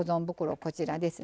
こちらですね